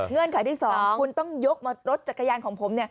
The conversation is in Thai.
ไขที่๒คุณต้องยกรถจักรยานของผม